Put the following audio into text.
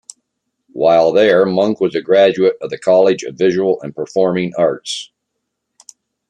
While there, Monk was a graduate of the College of Visual and Performing Arts.